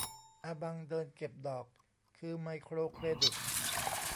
อาบังเดินเก็บดอก คือไมโครเครดิต